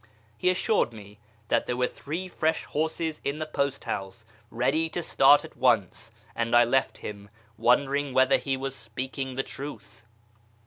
He assured me that there were three fresh horses iu tlie post house, ready to start at once, and T left him, wondering whether he was speaking the truth.